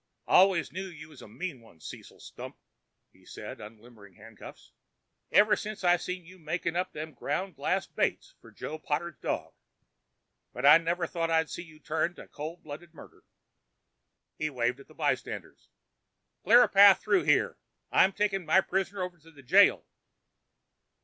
"I always knew you was a mean one, Cecil Stump," he said, unlimbering handcuffs, "ever since I seen you makin' up them ground glass baits for Joe Potter's dog. But I never thought I'd see you turn to cold blooded murder." He waved at the bystanders. "Clear a path through here; I'm takin' my prisoner over to the jail."